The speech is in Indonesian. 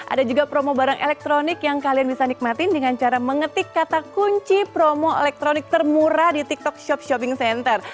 ada juga promo barang elektronik yang kalian bisa nikmatin dengan cara mengetik kata kunci promo elektronik termurah di tiktok shop shopping center